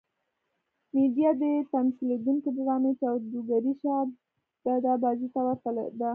میډیا د تمثیلېدونکې ډرامې جادوګرې شعبده بازۍ ته ورته ده.